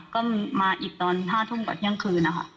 ก็มีมาอีกตอน๕ทุ่มกว่าเที่ยงคืนนะคะ